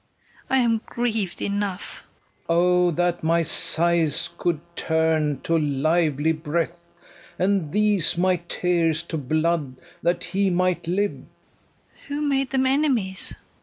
I am griev'd enough. FERNEZE. O, that my sighs could turn to lively breath, And these my tears to blood, that he might live! KATHARINE. Who made them enemies?